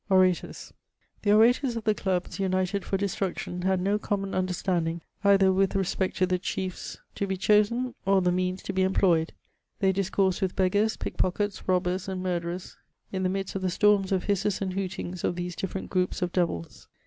osATcmg. The orators of the clubs, united for destmdtion, had no comjnon undenstanding eitlier with respect to the chse& to be chosen, or the means to be employed; they diseoafsed widt beggars, pickpockets, robbers, aiid mufderors, in the midst of the storms of hisses and hootangs of these different gioops of devils.